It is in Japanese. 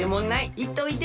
いっといで。